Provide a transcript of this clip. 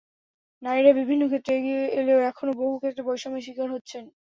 নারীরা বিভিন্ন ক্ষেত্রে এগিয়ে এলেও এখনো বহু ক্ষেত্রে বৈষম্যের শিকার হচ্ছেন।